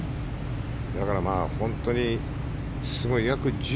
だから本当にすごい。